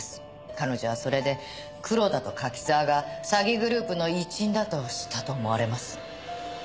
彼女はそれで黒田と柿沢が詐欺グループの一員だと知ったと思われます。